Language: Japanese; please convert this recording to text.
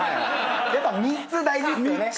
やっぱ３つ大事っすよね。